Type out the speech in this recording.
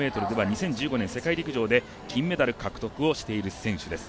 ２０１５年、世界陸上で金メダル獲得をしている選手です。